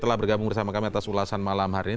telah bergabung bersama kami atas ulasan malam hari ini